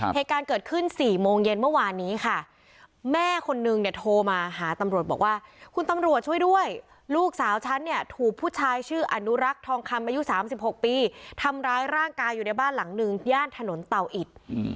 เหตุการณ์เกิดขึ้น๔โมงเย็นเมื่อวานนี้ค่ะแม่คนนึงเนี่ยโทรมาหาตำรวจบอกว่าคุณตำรวจช่วยด้วยลูกสาวฉันเนี่ยถูกผู้ชายชื่ออนุรักษ์ทองคำอายุ๓๖ปีทำร้ายร่างกายอยู่ในบ้านหลังหนึ่งย่านถนนเตาอิด